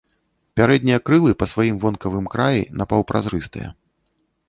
Пярэднія крылы па сваім вонкавым краі напаўпразрыстыя.